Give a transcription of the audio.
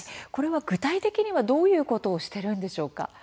具体的にはどういうことをしているんですか。